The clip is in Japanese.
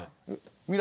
未来